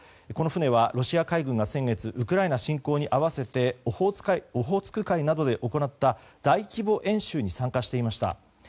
この船はロシア海軍が先月ウクライナ侵攻に合わせてオホーツク海などで行った大規模演習に参加していました。